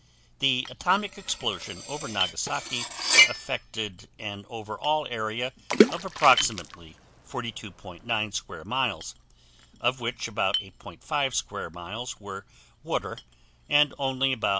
The atomic explosion over Nagasaki affected an over all area of approximately 42.9 square miles of which about 8.5 square miles were water and only about 9.